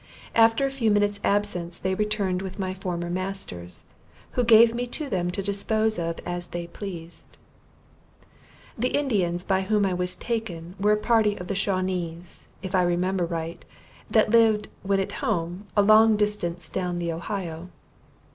After a few minutes absence they returned with my former masters, who gave me to them to dispose of as they pleased. The Indians by whom I was taken were a party of Shawanees, if I remember right, that lived, when at home, a long distance down the Ohio.